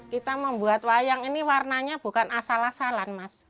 kita membuat wayang ini warnanya bukan asal asalan mas